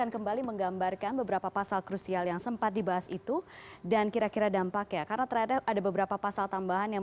kepada kpk ke depannya